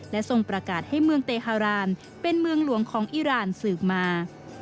ทรงประกาศให้เมืองเตฮารานเป็นเมืองหลวงของอิราณสืบมา